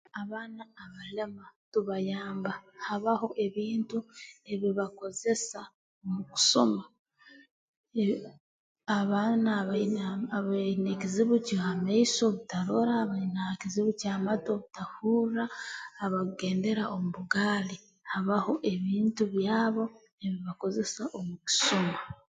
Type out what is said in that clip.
Abaana abalema tubayamba habaho ebintu ebi bakozesa mu kusoma eb abaana abaine ama abaine ekizibu ky'amaiso obutarora abaine ekizibu ky'amatu okutahurra abakugendera omu bugaali habaho ebintu byabo ebi bakozesa omu kusoma